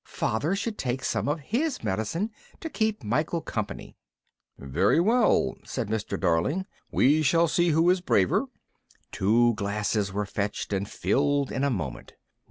"Father should take some of his medicine to keep Michael company." "Very well," said Mr. Darling, "we shall see who is the braver." Two glasses were fetched and filled in a moment.